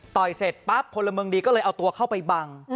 เสร็จปั๊บพลเมืองดีก็เลยเอาตัวเข้าไปบัง